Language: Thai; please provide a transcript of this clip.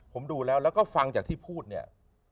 ผมดูแล้วแล้วก็ฟังจากที่พูดเนี่ย